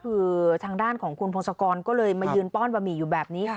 คือทางด้านของคุณพงศกรก็เลยมายืนป้อนบะหมี่อยู่แบบนี้ค่ะ